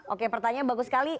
oke pertanyaan bagus sekali